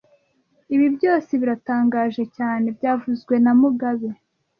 Ibi byose biratangaje cyane byavuzwe na mugabe